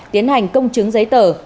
tiến hành công chứng giấy tờ